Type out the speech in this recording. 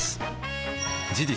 事実